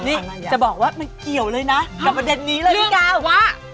นี่จะบอกว่ามันเกี่ยวเลยนะกับประเด็นนี้เลยพี่กาว่า